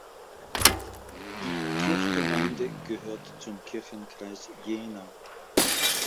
Die Kirchgemeinde gehört zum Kirchenkreis Jena.